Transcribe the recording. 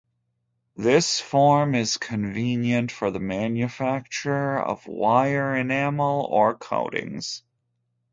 This form is convenient for the manufacture of wire enamel or coatings.